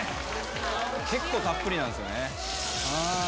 結構たっぷりなんすよ。